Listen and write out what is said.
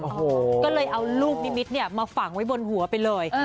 สิ่งศักดิ์สิทธิ์คุณผู้ชมก็เลยเอาลูกนิมิตเนี่ยมาฝังไว้บนหัวไปเลย